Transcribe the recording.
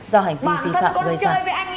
do hành vi vi phạm gây ra